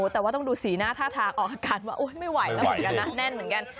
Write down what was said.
แต่ว่าต้องดูสีหน้าท่าทางออกอาการว่าไม่ไหวแล้วเหมือนกันนะแน่นเหมือนกัน